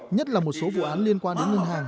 nhất là một số vụ án liên quan đến ngân hàng